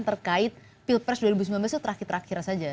terkait pilpres dua ribu sembilan belas itu terakhir terakhir saja